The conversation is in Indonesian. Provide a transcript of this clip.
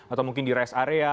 atau mungkin di rest area